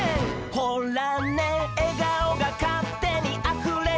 「ほらねえがおがかってにあふれだす」